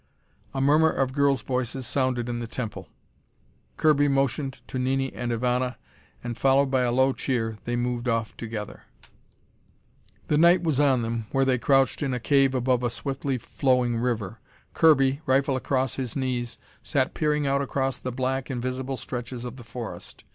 A murmur of girls' voices sounded in the temple. Kirby motioned to Nini and Ivana, and followed by a low cheer, they moved off together. The night was on them, where they crouched in a cave above a swiftly flowing river. Kirby, rifle across his knees, sat peering out across the black, invisible stretches of the forest.